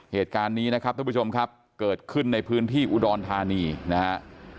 เหตุการณ์นี้นะครับทุกผู้ชมครับเกิดขึ้นในพื้นที่อุดรธานีนะฮะ